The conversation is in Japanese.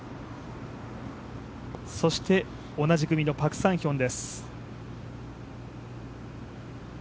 そして同じ組のパク・サンヒョンです。